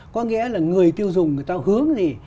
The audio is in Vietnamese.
có nghĩa là người tiêu dùng người ta hướng